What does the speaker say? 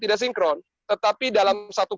tidak sinkron tetapi dalam satu